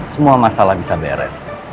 semua masalah bisa beres